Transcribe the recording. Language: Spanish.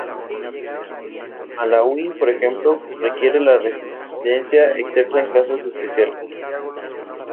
Malaui, por ejemplo, requiere la residencia excepto en casos especiales.